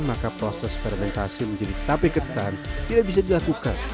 maka proses fermentasi menjadi tape ketan tidak bisa dilakukan